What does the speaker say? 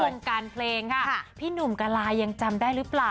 วงการเพลงค่ะพี่หนุ่มกะลายังจำได้หรือเปล่า